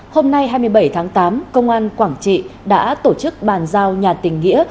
hôm nay hai mươi bảy tháng tám công an quảng trị đã tổ chức bàn giao nhà tình nghĩa